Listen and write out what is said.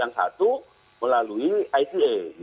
yang satu melalui ite gitu